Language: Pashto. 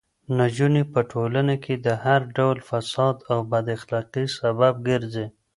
نجونې په ټولنه کې د هر ډول فساد او بد اخلاقۍ سبب ګرځي.